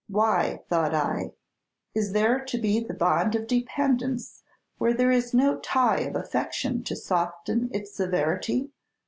'Why,' thought I, 'is there to be the bond of dependence where there is no tie of affection to soften its severity?'